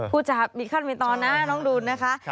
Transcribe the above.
ผู้จัดมิตรตอนหน้าน้องดุลนะคะ